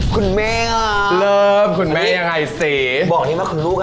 คุณแม่อะแล้วคุณมันยังไงสิบอกนี้มาคุณลูกอะ